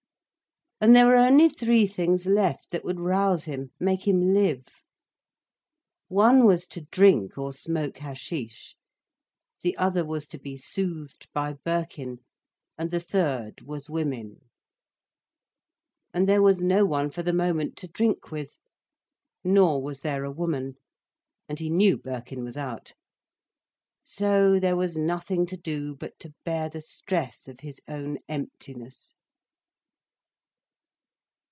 And there were only three things left, that would rouse him, make him live. One was to drink or smoke hashish, the other was to be soothed by Birkin, and the third was women. And there was no one for the moment to drink with. Nor was there a woman. And he knew Birkin was out. So there was nothing to do but to bear the stress of his own emptiness.